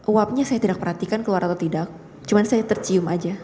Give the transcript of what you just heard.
uapnya saya tidak perhatikan keluar atau tidak cuma saya tercium aja